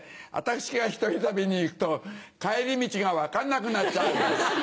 私が一人旅に行くと帰り道が分かんなくなっちゃうんです。